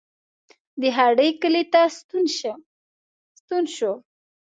د هډې کلي ته ستون شو.